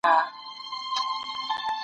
څه شی د فضایی کثافاتو ستونزه حل کوي؟